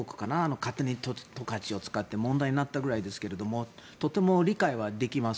勝手に十勝を使って問題になったぐらいですがとても理解はできます。